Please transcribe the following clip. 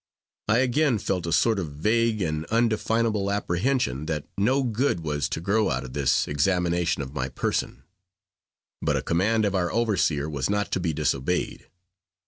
I again felt a sort of vague and undefinable apprehension that no good was to grow out of this examination of my person, but a command of our overseer was not to be disobeyed.